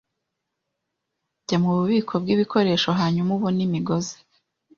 Jya mububiko bwibikoresho hanyuma ubone imigozi.